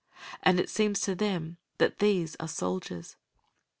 And it seems to them that these are soldiers.